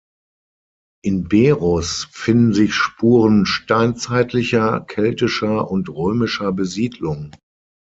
In Berus finden sich Spuren steinzeitlicher, keltischer und römischer Besiedlung.